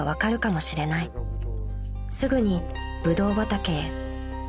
［すぐにブドウ畑へ］